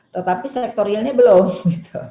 tetapi sektor realnya belum gitu